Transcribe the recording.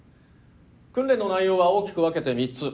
訓練の内容は大きく分けて３つ。